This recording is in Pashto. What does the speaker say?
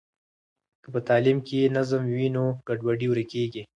که په تعلیم کې نظم وي نو ګډوډي ورکیږي.